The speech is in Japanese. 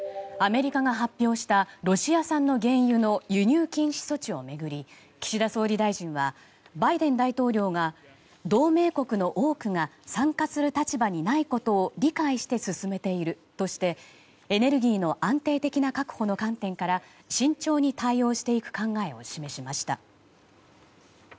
アメリカが発表したロシア産の原油の輸入禁止措置を巡り岸田総理大臣はバイデン大統領が同盟国の多くが参加する立場にないことを理解して進めているとして、エネルギーの安定的な確保の観点から慎重に対応していく考えを示しました。